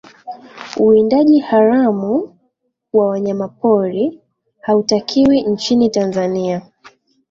uwindaji haramu wa wanyamapori hautakiwi nchini tanzania